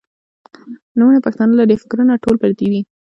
نومونه پښتانۀ لــري فکـــــــــــرونه ټول پردي دي